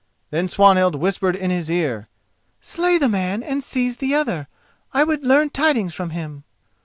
Then Swanhild whispered in his ear, "Slay the man and seize the other; I would learn tidings from him."